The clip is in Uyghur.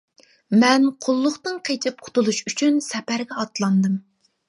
مەن قۇللۇقتىن قېچىپ قۇتۇلۇش ئۈچۈن سەپەرگە ئاتلاندىم.